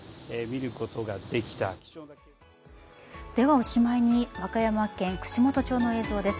おしまいに和歌山県串本町の映像です。